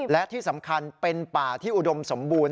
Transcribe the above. และที่สำคัญเป็นป่าที่อุดมสมบูรณ